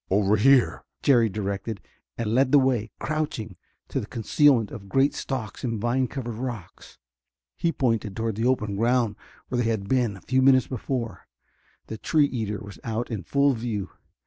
"Over here," Jerry directed, and led the way, crouching, to the concealment of great stalks and vine covered rocks. He pointed toward the open ground where they had been a few moments before. The tree eater was out in full view.